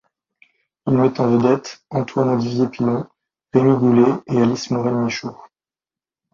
Il met en vedette Antoine Olivier Pilon, Rémi Goulet et Alice Morel-Michaud.